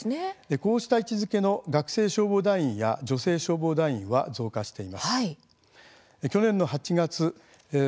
こうした位置づけの学生消防団員や女性消防団員は増加しています。